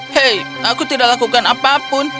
hei aku tidak lakukan apapun